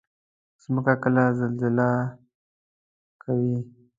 مځکه کله زلزله کوي.